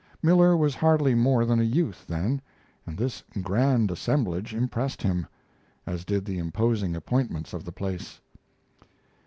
Miller was hardly more than a youth then, and this grand assemblage impressed him, as did the imposing appointments of the place.